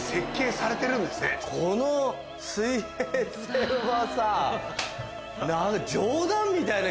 この水平線はさ。